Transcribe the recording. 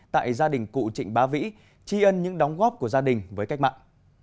tại gia đình cụ trịnh bá vĩ tri ân những đóng góp của gia đình với cách mạng